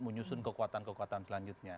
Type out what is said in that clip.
menyusun kekuatan kekuatan selanjutnya